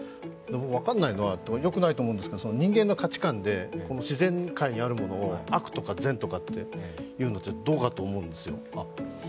分からないのは、よくないと思うんですが、人間の価値案で自然界にあるものを悪と善と言うのはどうかと思うんですよ。